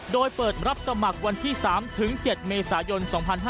โดยเปิดรับสมัครวันที่๓ถึง๗เมษายน๒๕๕๙